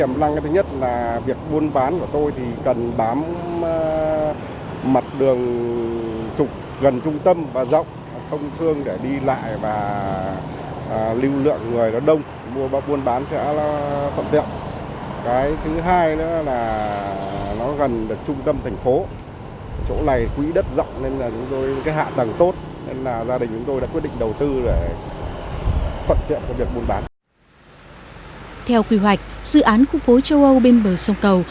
một trong những dự án khu phố châu âu nằm ở bờ đông sông cầu